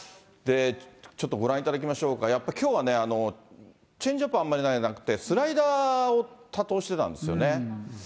ちょっとご覧いただきましょうか、やっぱりきょうはね、チェンジアップはあんまり投げなくって、スライダーを多投してたんですよね。